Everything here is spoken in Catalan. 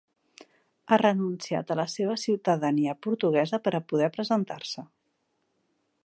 Ha renunciat a la seva ciutadania portuguesa per a poder presentar-se.